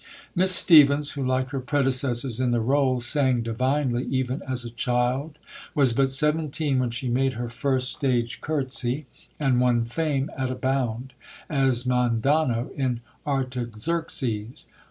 Miss Stephens, who like her predecessors in the rôle, sang divinely even as a child, was but seventeen when she made her first stage curtsy, and won fame at a bound, as Mandano in Artaxerxes.